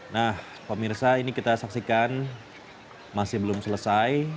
nah pak mirsa ini kita saksikan masih belum selesai